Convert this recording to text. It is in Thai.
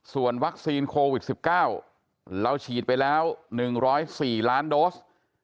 ส่วนวัคซีนโควิด๑๙เราฉีดไปแล้ว๑๐๔ล้านโดส